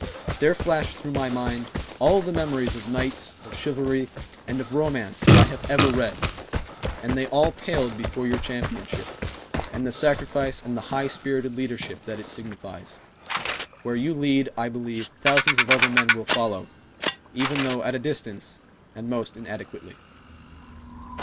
There flashed through my mind all the memories of Knights of chivalry and of romance that I have ever read, and they all paled before your championship, and the sacrifice and the high spirited leadership that it signifies. Where you lead, I believe, thousands of other men will follow, even though at a distance, and most inadequately